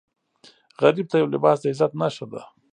غریب ته یو لباس د عزت نښه ده